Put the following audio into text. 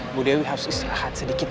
bu dewi harus istirahat sedikit